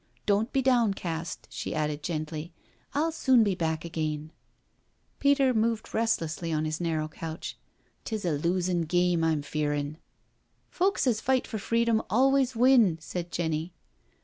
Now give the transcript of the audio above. Don*t be downcast," she added gently; " I'll soon be back again 1" Peter moved restlessly on hb narrow couch. " 'Tis a losin' game, I'm feerin'l" " Folks as fight for freedom always win," said Jenny.